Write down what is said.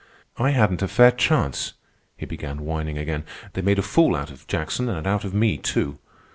"I hadn't a fair chance," he began whining again. "They made a fool out of Jackson and out of me, too.